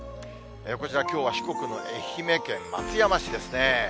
こちら、きょうは四国の愛媛県松山市ですね。